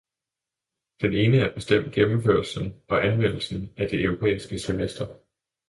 Det ene er bestemt gennemførelsen og anvendelsen af det europæiske semester.